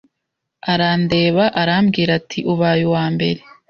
Arandeba, arambwira ati ubaye uwambere